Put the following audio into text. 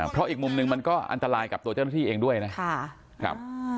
เพราะอีกมุมหนึ่งมันก็อันตรายกับตัวเจ้าหน้าที่เองด้วยนะครับ